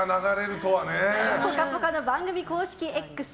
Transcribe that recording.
「ぽかぽか」の番組公式Ｘ